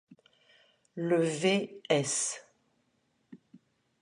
Le Vs.